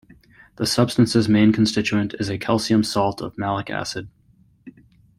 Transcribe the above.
The substance's main constituent is a calcium salt of malic acid.